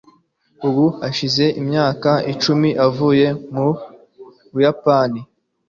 Ubu hashize imyaka icumi avuye mu Buyapani.